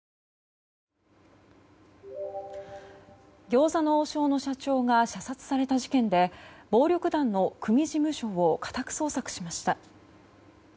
餃子の王将の社長が射殺された事件で暴力団の組事務所を家宅捜索しました。